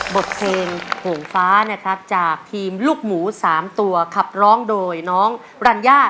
บทเพลงโหงฟ้านะครับจากทีมลูกหมู๓ตัวขับร้องโดยน้องรัญญา